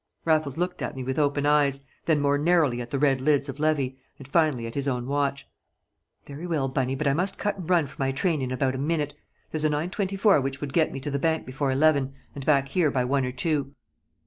Raffles looked at me with open eyes, then more narrowly at the red lids of Levy, and finally at his own watch. "Very well, Bunny, but I must cut and run for my train in about a minute. There's a 9.24 which would get me to the bank before eleven, and back here by one or two."